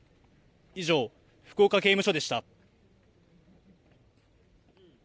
以上、福岡刑務所でした。